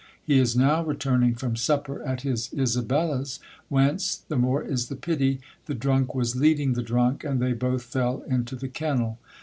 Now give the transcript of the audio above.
He is now returning from supper at his Isabella's, whence, the more is the pity, the drunk was leading the drunk, and they both fell into the kennel.